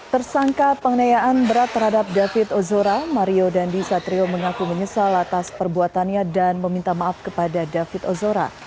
tersangka pengenayaan berat terhadap david ozora mario dandi satrio mengaku menyesal atas perbuatannya dan meminta maaf kepada david ozora